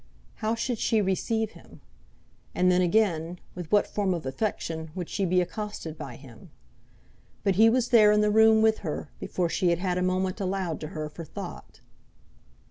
How should she receive him? And then again, with what form of affection would she be accosted by him? But he was there in the room with her before she had had a moment allowed to her for thought.